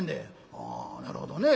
「ああなるほどね。